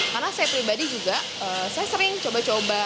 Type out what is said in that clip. karena saya pribadi juga saya sering coba coba